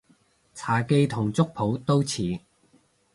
茶記同粥舖都似